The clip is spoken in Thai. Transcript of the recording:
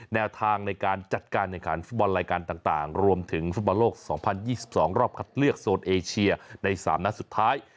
แนวทางในการจัดการแข่งขันฟุตบอลรายการต่างรวมถึงฟุตบอลโลก๒๐๒๒รอบคัดเลือกโซนเอเชียใน๓นัดสุดท้าย